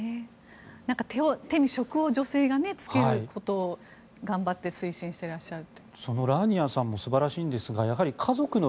手に職をね女性がつけることを頑張って推進してらっしゃると。